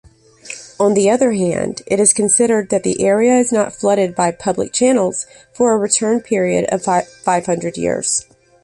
On the other hand, it is considered that the area is not flooded by public channels for a return period of five hundred years.